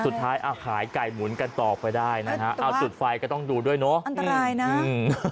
สุดท้ายอ่ะขายไก่หมุนกันต่อไปได้นะฮะเอาจุดไฟก็ต้องดูด้วยเนอะอันตรายนะอืม